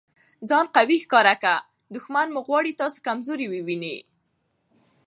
ځان قوي ښکاره که! دوښمن مو غواړي تاسي کمزوري وویني.